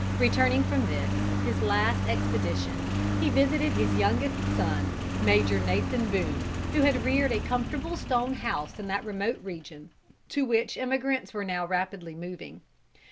Returning from this, his last expedition, he visited his youngest son, Major Nathan Boone, who had reared a comfortable stone house in that remote region, to which emigrants were now rapidly moving.